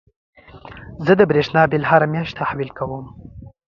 زه د برېښنا بيل هره مياشت تحويل کوم.